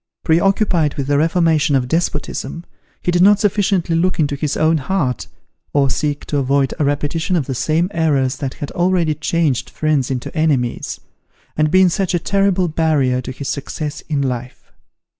Pre occupied with the reformation of despotism, he did not sufficiently look into his own heart, or seek to avoid a repetition of the same errors that had already changed friends into enemies, and been such a terrible barrier to his success in life.